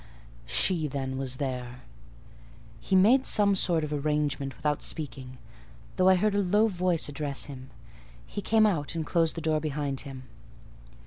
She then was there. He made some sort of arrangement without speaking, though I heard a low voice address him: he came out and closed the door behind him.